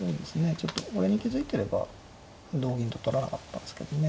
ちょっとこれに気付いてれば同銀と取らなかったんですけどね。